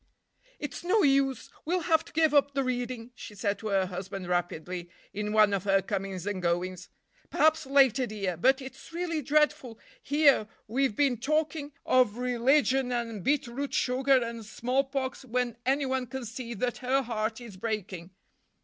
"It's no use, we'll have to give up the reading," she said to her husband rapidly, in one of her comings and goings. "Perhaps later, dear. But it's really dreadful, here we've been talking of religion and beet root sugar and smallpox, when anyone can see that her heart is breaking."